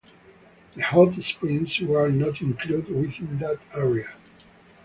The hot springs were not included within that area.